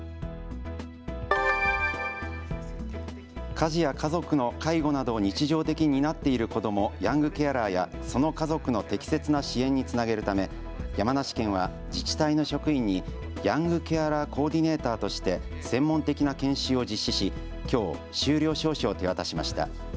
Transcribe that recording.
家事や家族の介護などを日常的に担っている子ども、ヤングケアラーやその家族の適切な支援につなげるため山梨県は自治体の職員にヤングケアラー・コーディネーターとして専門的な研修を実施し、きょう修了証書を手渡しました。